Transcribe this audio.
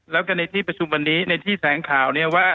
แล้วก็ในที่ประชุมวันนี้ในที่แสงข่าวเนี่ยว่า